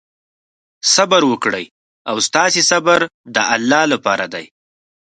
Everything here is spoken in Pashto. صبر وکړئ او ستاسې صبر د الله لپاره دی.